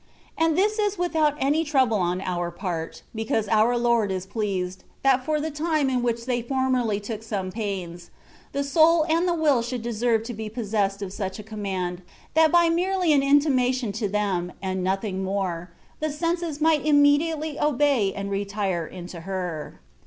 And this is without any trouble on our part, because our Lord is pleased, that for the time in which they formerly took some pains^ the soul and the will should deserve to be pos sessed of such a command, that by merely an in timation to them, and nothing more, the senses * "Toma alii bastimento/'&c^ THE WAT OT PERFECTION. 137 miglit immediately obey and retire into her.